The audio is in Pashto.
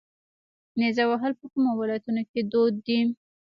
نیزه وهل په کومو ولایتونو کې دود دي؟